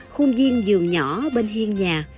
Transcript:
khung viên giường nhỏ bên hiên nhà